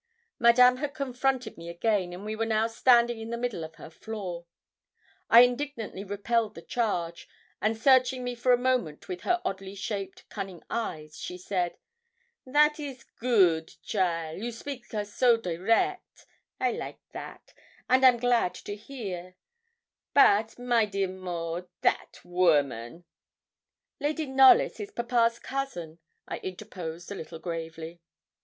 Madame had confronted me again, and we were now standing in the middle of her floor. I indignantly repelled the charge, and searching me for a moment with her oddly shaped, cunning eyes, she said 'That is good cheaile, you speak a so direct I like that, and am glad to hear; but, my dear Maud, that woman ' 'Lady Knollys is papa's cousin,' I interposed a little gravely.